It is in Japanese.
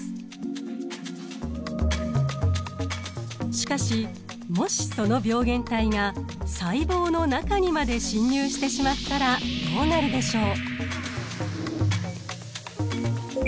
しかしもしその病原体が細胞の中にまで侵入してしまったらどうなるでしょう？